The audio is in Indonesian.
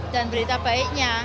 dan berita baiknya